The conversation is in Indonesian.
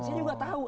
saya juga tahu